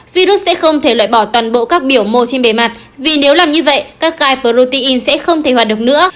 virus sẽ không thể loại bỏ toàn bộ các biểu mô trên bề mặt vì nếu làm như vậy các gai protein sẽ không thể hoạt động nữa